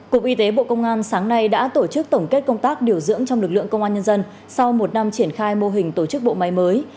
cục y tế bộ công an sáng nay đã tổ chức tổng kết công tác điều dưỡng trong lực lượng công an nhân dân sau một năm triển khai mô hình tổ chức bộ máy mới